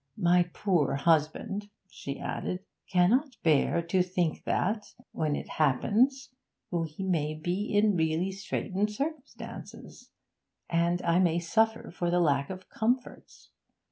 'My poor husband,' she added, 'cannot bear to think that, when it happens, we may be in really straitened circumstances, and I may suffer for lack of comforts.